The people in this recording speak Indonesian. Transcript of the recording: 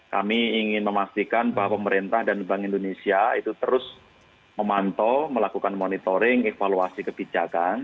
kami ingin memastikan bahwa pemerintah dan bank indonesia itu terus memantau melakukan monitoring evaluasi kebijakan